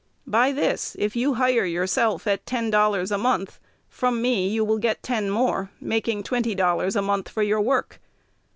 By this, if you hire yourself at ten dollars a month, from me you will get ten more, making twenty dollars a month for your work.